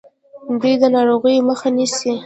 دوی د ناروغیو مخه نیسي.